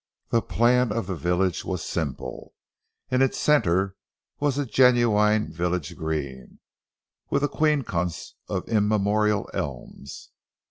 The plan of the village was simple. In its centre was a genuine village green, with a quincunx of immemorial elms.